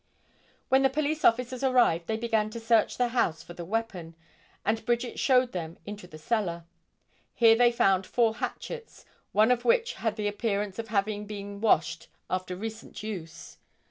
When the police officers arrived they began to search the house for the weapon, and Bridget showed them into the cellar. Here they found four hatchets, one of which had the appearance of having been washed after recent use.